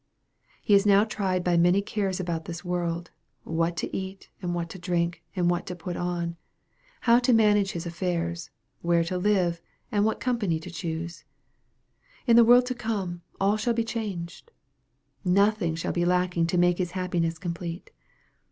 He is now tried by many cares about this world what to eat, and what to drink, and what to put on how to manage his affairs, where to live, and what company to choose. In the world to come, all shall be changed. Nothing shall be lacking to make his happiness complete.